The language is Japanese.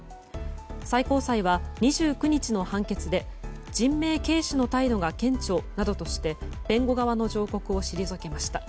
最高裁は、２９日の判決で人命軽視の態度が顕著などとして弁護側の上告を退けました。